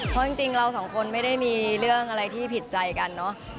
เพราะจริงเราสองคนไม่ได้มีเรื่องอะไรที่ผิดใจกันเนอะ